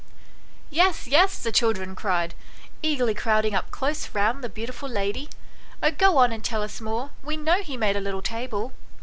" Yes, yes," the children cried, eagerly crowding up close round the beautiful lady ;" oh, go on and tell us more, we know he made a little table."